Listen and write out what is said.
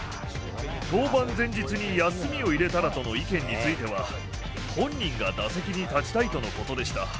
登板前日に休みを入れたらとの意見については、本人が打席に立ちたいとのことでした。